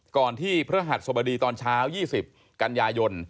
ก่อนที่พระหัสสบดีตอนเช้า๒๐กันยายน